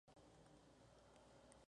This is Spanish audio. Dr. Walter Schweitzer.